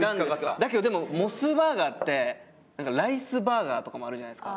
だけどでもモスバーガーってライスバーガーとかもあるじゃないですか。